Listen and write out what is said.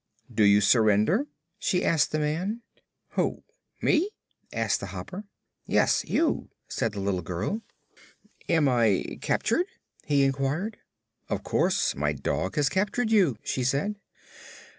"Do you surrender?" she asked the man. "Who? Me?" asked the Hopper. "Yes; you," said the little girl. "Am I captured?" he inquired. "Of course. My dog has captured you," she said.